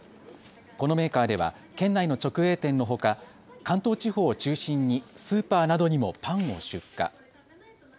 このメーカーでは県内の直営店のほか関東地方を中心にスーパーなどにもパンを出荷。